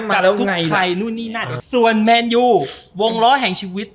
กับทุกใครนู่นนี่นั่นส่วนแมนยูวงล้อแห่งชีวิต